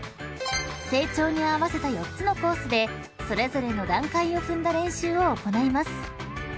［成長に合わせた４つのコースでそれぞれの段階を踏んだ練習を行います］